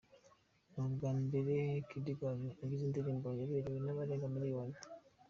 Ni ubwa mbere Kid Gaju agize indirimbo yarebewe n’abarenga miliyoni.